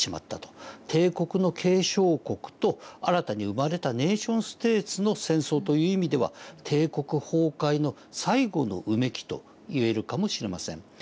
帝国の継承国と新たに生まれたネーションステートの戦争という意味では帝国崩壊の最後のうめきと言えるかもしれません。